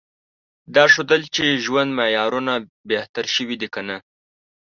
دا ښودل چې ژوند معیارونه بهتر شوي دي که نه؟